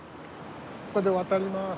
ここで渡ります。